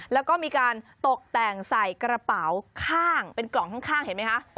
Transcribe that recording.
แล้วก็มีการตกแต่งใส่กระเป๋าข้างเป็นกล่องข้างเห็นไหมคะ